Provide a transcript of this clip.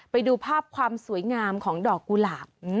ไปดูภาพความสวยงามของดอกกุหลาบ